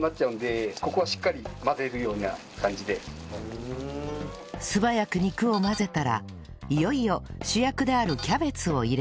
あんまり素早く肉を混ぜたらいよいよ主役であるキャベツを入れていきます